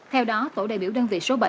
theo đó tổ đại biểu đơn vị số bảy